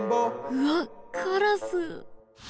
うわっカラス！